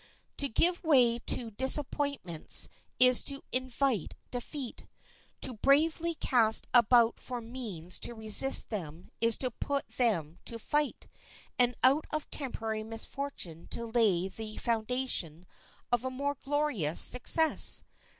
To give way to disappointments is to invite defeat. To bravely cast about for means to resist them is to put them to flight, and out of temporary misfortune to lay the foundation of a more glorious success.